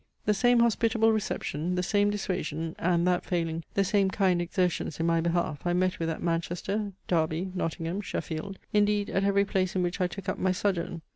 The same hospitable reception, the same dissuasion, and, that failing, the same kind exertions in my behalf, I met with at Manchester, Derby, Nottingham, Sheffield, indeed, at every place in which I took up my sojourn.